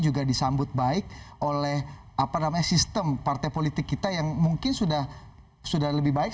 juga disambut baik oleh sistem partai politik kita yang mungkin sudah lebih baik